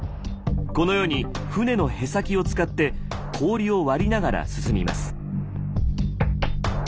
このように船のへさきを使って氷を割りながら進みます。